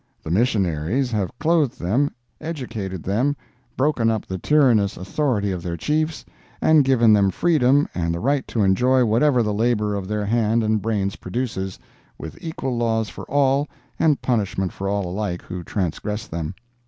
The missionaries have clothed them, educated them, broken up the tyrannous authority of their chiefs, and given them freedom and the right to enjoy whatever the labor of their hand and brains produces, with equal laws for all and punishment for all alike who transgress them.